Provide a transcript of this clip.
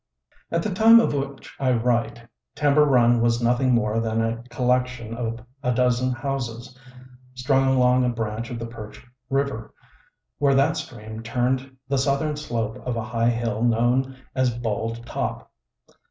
At the time of which I write Timber Run was nothing more than a collection of a dozen houses, strung along a branch of the Perch River, where that stream turned the southern slope of a high hill known as Bald Top.